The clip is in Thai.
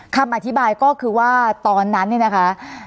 คำอธิบายก็คือว่าตอนนั้นเนี่ยนะคะ